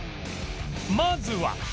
まずは